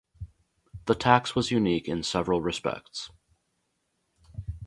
The tax was unique in several respects.